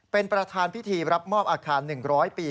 เป็นประธานพิธีรับมอบอาคาร๑๐๐ปี